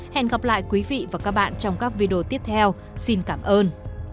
hẹn gặp lại quý vị và các bạn trong các video tiếp theo xin cảm ơn